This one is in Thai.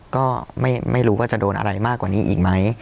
ก็ไม่รู้ว่าจะโดนอะไรมากกว่านี้อีกไหม